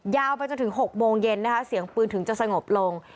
ไปจนถึง๖โมงเย็นนะคะเสียงปืนถึงจะสงบลง